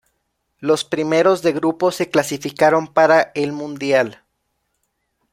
Los primeros de grupo se clasificaron para el Mundial.